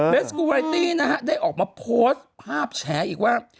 สกูไรตี้นะฮะได้ออกมาโพสต์ภาพแฉอีกว่า